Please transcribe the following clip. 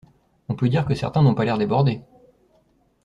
On peut dire que certains n'ont pas l'air débordés.